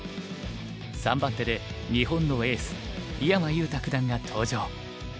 ３番手で日本のエース井山裕太九段が登場。